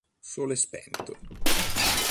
Sole spento